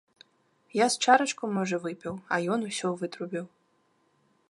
Я з чарачку, можа, выпіў, а ён усё вытрубіў.